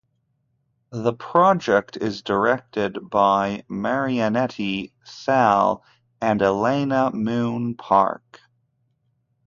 The project is directed by Marianetti, Thal and Elena Moon Park.